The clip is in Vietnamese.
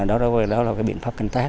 đó là cái biện pháp canh tác